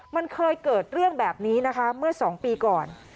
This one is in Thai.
มันเคยเกิดเรื่องแบบนี้นะคะเมื่อ๒ปีก่อน